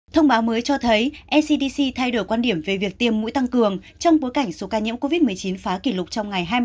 thông báo mới cho thấy ecdc thay đổi quan điểm về việc tiêm mũi tăng cường trong bối cảnh số ca nhiễm covid một mươi chín phá kỷ lục trong ngày hai mươi tám